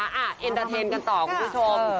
หันหน่าเทรนกันต่อคุณผู้ชม